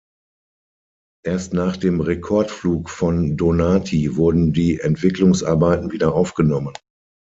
Erst nach dem Rekordflug von Donati wurden die Entwicklungsarbeiten wieder aufgenommen.